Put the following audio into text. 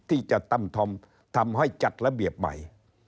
ที่จะทำให้จัดระเบียบใหม่